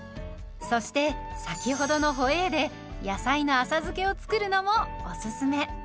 そして先ほどのホエーで野菜の浅漬けを作るのもおすすめ。